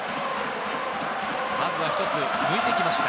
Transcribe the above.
まずは一つ抜いてきました。